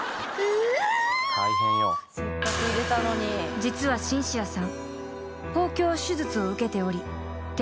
［実はシンシアさん］